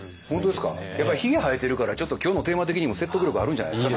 やっぱりひげ生えてるからちょっと今日のテーマ的にも説得力あるんじゃないんですか。